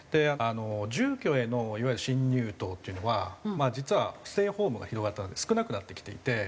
住居へのいわゆる侵入等っていうのは実はステイホームが広がったので少なくなってきていて。